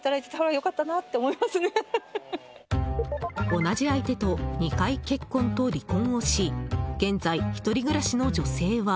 同じ相手と２回結婚と離婚をし現在、１人暮らしの女性は。